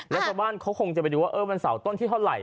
แล้วชาวบ้านเขาคงจะไปดูว่าวันเสาร์ต้นที่เท่าไหร